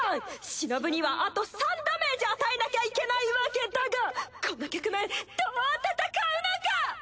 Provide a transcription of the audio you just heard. シノブにはあと３ダメージ与えなきゃいけないわけだがこの局面どう戦うのか！